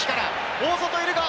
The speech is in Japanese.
大外いるが。